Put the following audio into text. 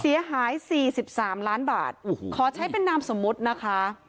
เสียหาย๔๓ล้านบาทขอใช้เป็นนามสมมุตินะคะ